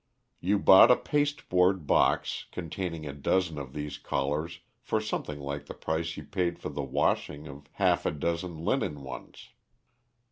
You bought a pasteboard box containing a dozen of these collars for something like the price you paid for the washing of half a dozen linen ones.